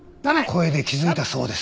声で気づいたそうです。